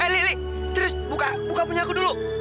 lili terus buka punya aku dulu